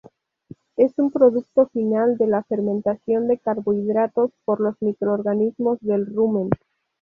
Es un producto final de la fermentación de carbohidratos por los microorganismos del rumen.